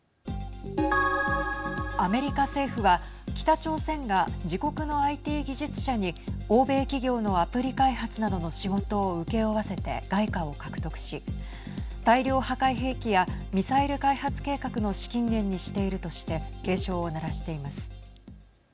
アメリカ政府は北朝鮮が自国のＩＴ技術者に欧米企業のアプリ開発などの仕事を請け負わせて外貨を獲得し大量破壊兵器やミサイル開発計画の資金源にしているとして警鐘を鳴らしています。